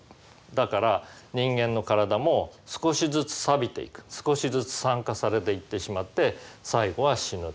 だから人間の体も少しずつさびていく少しずつ酸化されていってしまって最後は死ぬ。